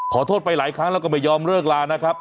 ขอโทษไปหลายครั้งแล้วก็ไม่ยอมเลิกลานะครับ